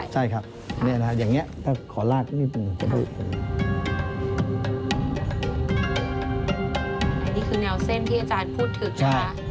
ใช่ครับอย่างนี้ถ้าขอลากอันนี้คือแนวเส้นที่อาจารย์พูดถึงใช่ป่ะ